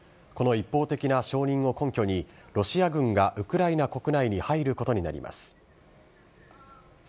この一方的な承認を根拠に、ロシア軍がウクライナ国内に入ることになります。